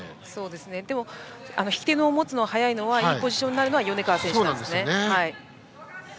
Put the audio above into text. でも、引き手を持つのが速くていいポジションなのは米川選手ですね。